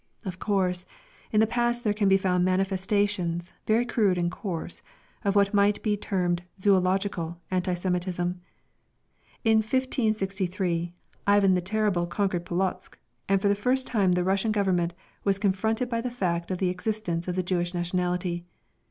Of course, in the past there can be found manifestations very crude and coarse of what might be termed "zoological" anti Semitism. In 1563, Ivan the Terrible conquered Polotzk, and for the first time the Russian Government was confronted by the fact of the existence of the Jewish nationality.